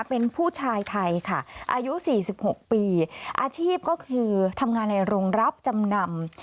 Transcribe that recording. เป็นผู้ชายไทยค่ะอายุ๔๖ปีอาชีพก็คือทำงานในโรงรับจำนำ